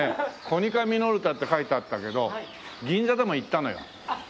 コニカミノルタって書いてあったけど銀座でも行ったのよ。